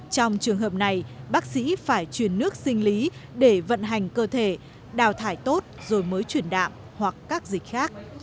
trong trường hợp này bác sĩ phải chuyển nước sinh lý để vận hành cơ thể đào thải tốt rồi mới chuyển đạm hoặc các dịch khác